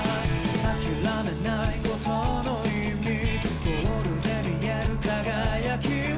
「諦めないことの意味」「ゴールで見える輝きを」